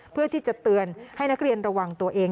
เพื่อที่จะเตือนให้นักเรียนระวังตัวเอง